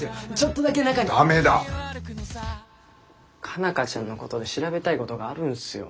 佳奈花ちゃんのことで調べたいことがあるんすよ。